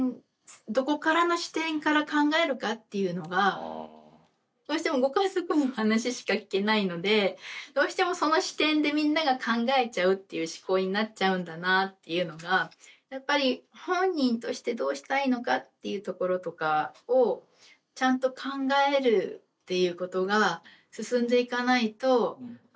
どこからの視点から考えるかっていうのがどうしてもご家族の話しか聞けないのでどうしてもその視点でみんなが考えちゃうっていう思考になっちゃうんだなっていうのがやっぱり本人としてどうしたいのかっていうところとかをちゃんと考えるっていうことが進んでいかないと